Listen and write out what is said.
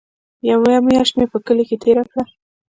يوه مياشت مې په کلي کښې تېره کړه.